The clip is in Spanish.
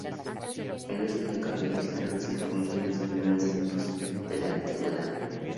El uso de cabellos largos se remonta a los primeros tiempos de la antigüedad.